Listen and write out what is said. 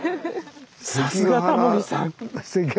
さすがタモリさん。